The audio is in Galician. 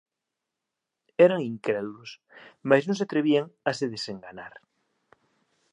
Eran incrédulos, mais non se atrevían a se desenganar.